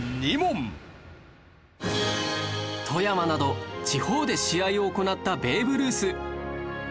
富山など地方で試合を行ったベーブ・ルース